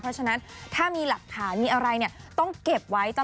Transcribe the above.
เพราะฉะนั้นถ้ามีหลักฐานมีอะไรต้องเก็บไว้